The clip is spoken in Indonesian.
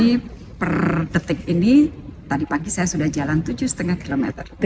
jadi per detik ini tadi pagi saya sudah jalan tujuh lima km